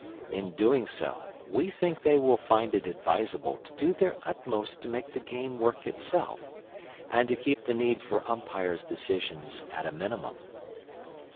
In doing so, we think they will find it advisable to do their utmost to make the game work itself, and to keep the need for umpire's decisions at a minimum.